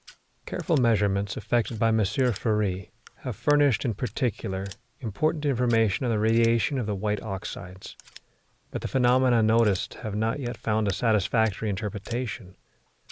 Careful measurements effected by M. Fery have furnished, in particular, important information on the radiation of the white oxides; but the phenomena noticed have not yet found a satisfactory interpretation.